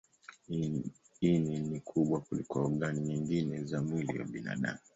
Ini ni kubwa kuliko ogani nyingine za mwili wa binadamu.